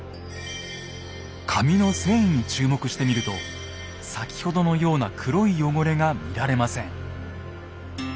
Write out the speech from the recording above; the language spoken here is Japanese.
紙の繊維に注目してみると先ほどのような黒い汚れが見られません。